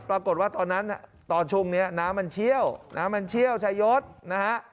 ปรากฏว่าตอนนั้นตอนชุมนี้น้ำมันเชี่ยวชายศรัชดานะฮะ